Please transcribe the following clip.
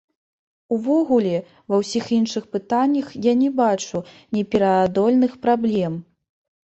Увогуле, ва ўсіх іншых пытаннях я не бачу непераадольных праблем.